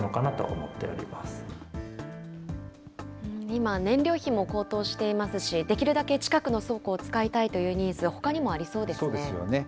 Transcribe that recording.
今、燃料費も高騰していますし、できるだけ近くの倉庫を使いたいというニーズ、ほかにもありそうそうですよね。